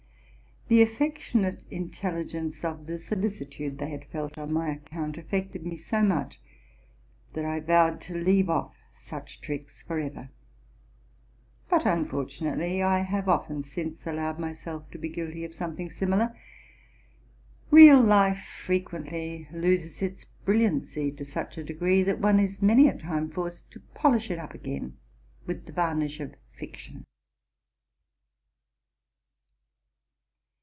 The affectionate intelligence of the solicitude they had felt on my account affected me so much that I vowed to leave off such tricks forever ; but, unfortunately, I have often 304 TRUTH AND FICTION since allowed myself to be guilty of something similar. Real life frequently loses its brilliancy to such a degree, that one is many a time forced to polish it up again with the varnish of fiction.